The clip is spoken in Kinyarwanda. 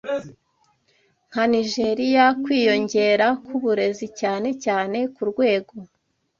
nka Nijeriya kwiyongera kw'uburezi cyane cyane ku rwego